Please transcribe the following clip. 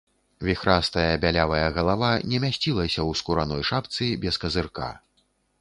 Віхрастая бялявая галава не мясцілася ў скураной шапцы без казырка.